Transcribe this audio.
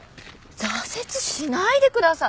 挫折しないでください！